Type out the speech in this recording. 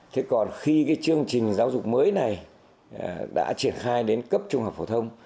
thế còn khi cái chương trình giáo dục mới này đã triển khai đến cấp trung học phổ thông